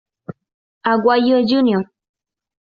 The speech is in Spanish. Aguayo Jr.